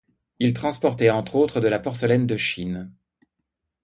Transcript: Il transportait entre autres de la porcelaine de Chine.